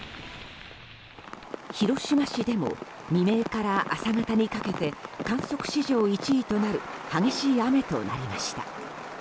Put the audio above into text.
広島市でも未明から朝方にかけて観測史上１位となる激しい雨となりました。